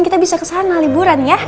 kita bisa kesana liburan ya